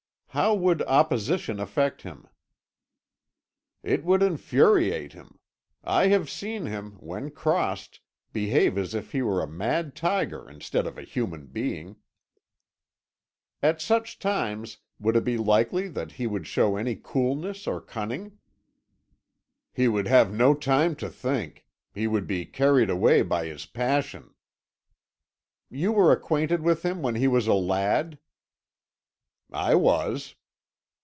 "How would opposition affect him?" "It would infuriate him. I have seen him, when crossed, behave as if he were a mad tiger instead of a human being." "At such times, would it be likely that he would show any coolness or cunning?" "He would have no time to think; he would be carried away by his passion." "You were acquainted with him when he was a lad?" "I was."